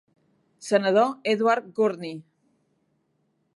Senador Edward Gurney.